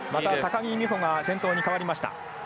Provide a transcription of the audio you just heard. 高木美帆先頭に変わりました。